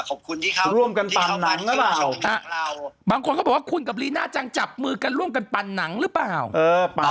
ขอบคุณที่ครับร่วมกันปั่นหนังหรือเปล่าบางคนก็บอกว่าคุณกับลีน่าจังจับมือกันร่วมกันปั่นหนังหรือเปล่า